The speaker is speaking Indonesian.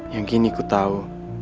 yang gini ku tau